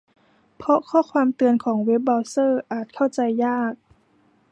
เพราะข้อความเตือนของเว็บเบราว์เซอร์อาจเข้าใจยาก